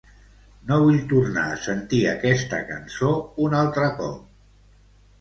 No vull tornar a sentir aquesta cançó un altre cop.